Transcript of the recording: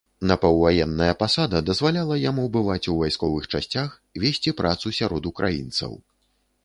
Напаўваенная пасада дазваляла яму бываць у вайсковых часцях, весці працу сярод украінцаў.